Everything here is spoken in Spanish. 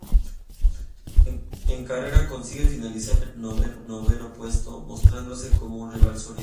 En carrera consigue finalizar en un buen noveno puesto, mostrándose como un rival sólido.